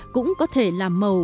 cũng có thể là màu